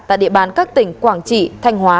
tại địa bàn các tỉnh quảng trị thanh hóa